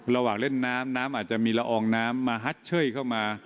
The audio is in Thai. ระหว่างเล่นน้ำน้ำอาจจะมีละอองน้ำมาฮัดเชยเข้ามา